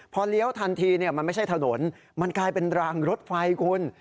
พอเลี้ยวทันทีมันไม่ใช่ถนนมันกลายเป็นรางรถไฟคุณ